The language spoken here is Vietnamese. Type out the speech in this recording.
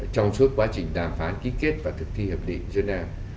trong suốt quá trình đàm phán ký kết và thực thi hiệp định geneva